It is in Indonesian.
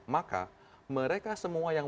maka mereka semua yang